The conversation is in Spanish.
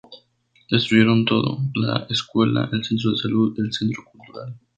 Destruyeron todo: la escuela, el centro de salud, el centro cultural.